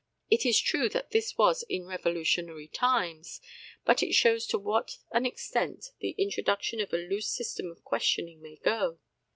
It is true that that was in revolutionary times, but it shows to what an extent the introduction of a loose system of questioning may go.